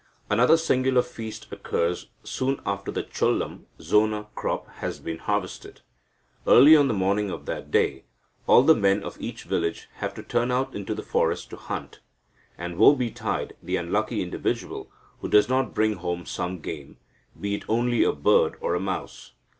] Another singular feast occurs soon after the cholam (zonna) crop has been harvested. Early on the morning of that day, all the men of each village have to turn out into the forest to hunt, and woe betide the unlucky individual who does not bring home some game, be it only a bird or a mouse.